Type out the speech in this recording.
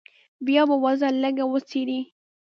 بيا به وضع لږه وڅېړې.